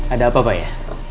ada apa pak ya